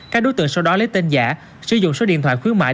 các đối tượng sau đó lấy tên giả sử dụng số điện thoại khuyến mại